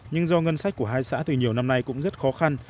nhưng do ngân sách của hai xã từ nhiều năm nay cũng rất khó khăn